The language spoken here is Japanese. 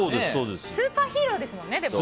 スーパーヒーローですもんね。